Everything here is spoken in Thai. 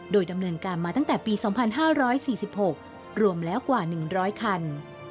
โดยดำเนินการมาตั้งแต่ปี๒๕๔๖รวมแล้วกว่า๑๐๐คัน